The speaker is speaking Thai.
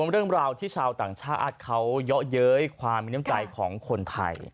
เรื่องราวที่ชาวต่างชาติเขาเยาะเย้ยความมีน้ำใจของคนไทย